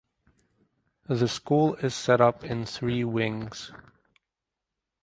The school is set up in three Wings.